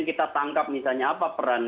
kita tangkap misalnya apa peran